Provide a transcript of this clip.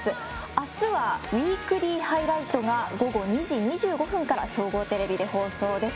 明日はウィークリーハイライトが午後２時２５分から総合テレビで放送です。